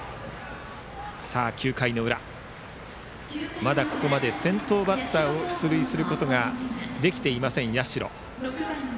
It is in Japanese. ９回の裏、まだここまで先頭バッターを出塁することはできていません社。